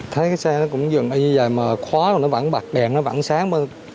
thấy cái xe nó cũng dường như vậy mà khóa rồi nó vẫn bạc đèn nó vẫn sáng